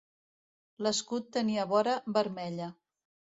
L'escut tenia vora vermella.